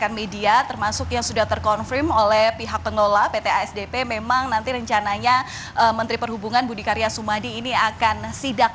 dan media termasuk yang sudah ter confirm oleh pihak pengelola pt asdp memang nanti rencananya menteri perhubungan budi karyasuma ini akan sidak